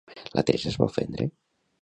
La Teresa es va ofendre?